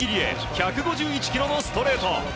１５１キロのストレート。